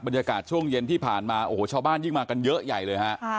บรรยากาศช่วงเย็นที่ผ่านมาโอ้โหชาวบ้านยิ่งมากันเยอะใหญ่เลยฮะ